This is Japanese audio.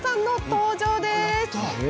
登場です。